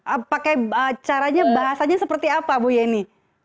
apakah caranya bahasanya seperti apa ibu yani